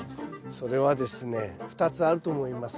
それはですね２つあると思います。